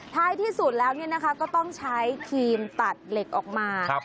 ท้ายที่สุดแล้วก็ต้องใช้ครีมตัดเหล็กออกมา